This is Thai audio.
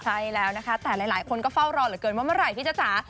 ใช่แล้วนะคะแต่หลายคนก็เฝ้ารอเหลือเกินว่าเมื่อไหร่พี่จ๊ะจ๋า